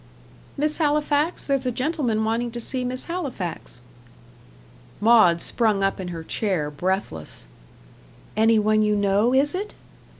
"Miss Halifax there's a gentleman wanting to see Miss Halifax." Maud sprung up in her chair, breathless. "Any one you know, is it?"